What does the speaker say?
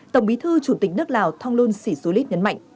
tổng bí thư chủ tịch nước lào thong lôn sĩ xu lít nhấn mạnh